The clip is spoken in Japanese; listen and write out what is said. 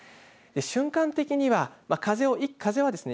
瞬間的には、風はですね